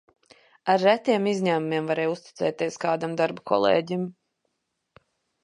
Ar retiem izņēmumiem varēja uzticēties kādam darba kolēģim.